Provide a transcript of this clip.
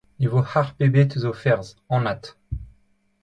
Ne vo harp ebet eus o ferzh, anat !